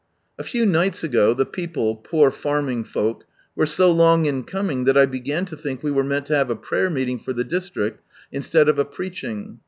A few nights ago the people (poor farming folk) were so long in coming that I began to think we were meant to have a prayer meeting for the district, instead of a preaching.